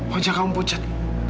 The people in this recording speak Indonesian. wajah kamu pucat